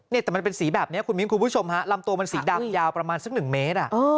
เนี่ยแต่มันเป็นสีแบบนี้คุณมิ้นคุณผู้ชมฮะลำตัวมันสีดำยาวประมาณสักหนึ่งเมตร